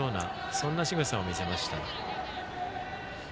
そんなしぐさを見せました。